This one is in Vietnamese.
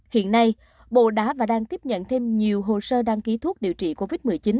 hiện nay bộ đã và đang tiếp nhận thêm nhiều hồ sơ đăng ký thuốc điều trị covid một mươi chín